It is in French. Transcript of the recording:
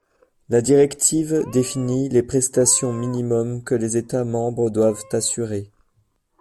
La directive définit les prestations minimums que les États membres doivent assurer.